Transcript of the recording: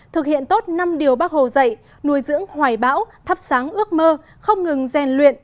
thực hiện tốt năm điều bác hồ dạy nuôi dưỡng hoài bão thắp sáng ước mơ không ngừng rèn luyện